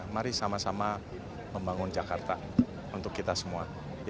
mari sama sama membangun jakarta untuk kita semua